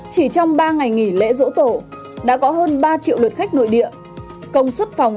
chỉ trong ba ngày nghỉ lễ dỗ tổ đã có hơn ba triệu lượt khách nội địa công suất phòng